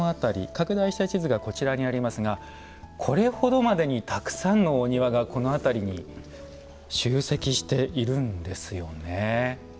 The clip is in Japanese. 拡大した地図がこちらにありますがこれほどまでにたくさんのお庭がこの辺りに集積しているんですよね。